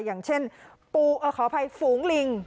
อย่างเช่นฝูงลิง